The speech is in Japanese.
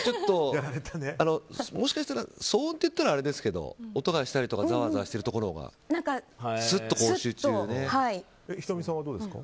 もしかしたら騒音っていったらあれですけど音がしたりとかざわざわしてるところのほうが仁美さんはどうですか？